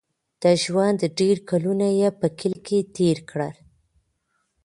د ژوند ډېر کلونه یې په کلي کې تېر کړل.